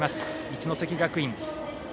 一関学院。